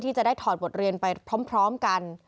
จะได้ถอดบทเรียนไปพร้อมกัน